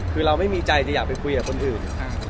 คือเราไม่มีใจจะอยากไปคุยกับคนอื่น